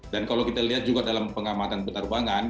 dan kalau kita lihat juga dalam pengamatan penerbangan